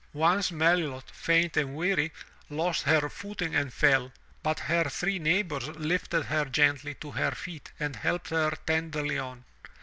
Once Melilot, faint and weary, lost her footing and fell, but her three neighbors lifted her gently to her feet and helped her tenderly on.